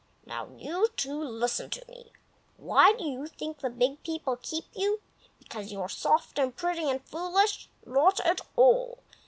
"Now, you two, listen to me! Why do you think the Big People keep you? Because you are soft and pretty and foolish? Not at all!